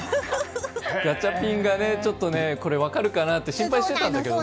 ガチャピンがちょっとこれ分かるかなって心配してたんだけどね。